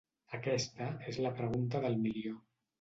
Aquesta és la pregunta del milió.